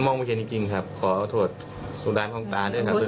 มองวิเครณีจริงขอโทษสู่ร้านห้องตาด้วยครับ